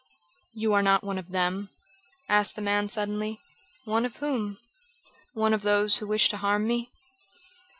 "You are not one of them?" asked the man suddenly. "One of whom?" "One of those who wish to harm me?"